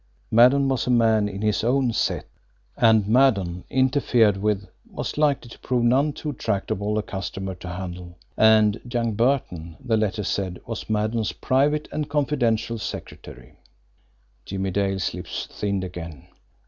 Maddon was a man in his own "set" and Maddon, interfered with, was likely to prove none too tractable a customer to handle. And young Burton, the letter had said, was Maddon's private and confidential secretary. Jimmie Dale's lips thinned again.